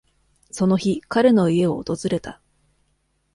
その日、彼の家を訪れた。